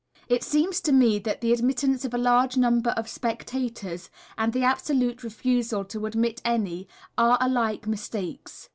It seems to me that the admittance of a large number of spectators, and the absolute refusal to admit any, are alike mistakes.